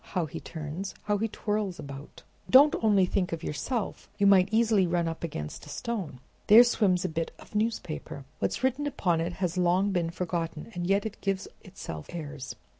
How he turns! how he twirls about! Don't think only of yourself, you might easily run up against a stone. There swims a bit of newspaper. What's written upon it has long been forgotten, and yet it gives itself airs.